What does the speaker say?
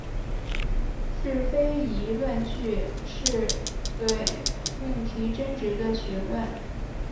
是非疑问句是对命题真值的询问。